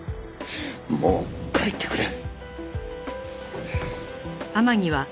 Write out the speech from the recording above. もう帰ってくれ。